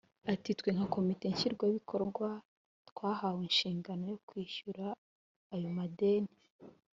Ati “Twe nka komite Nshingwabikorwa twahawe inshingano yo kwishyura ayo madeni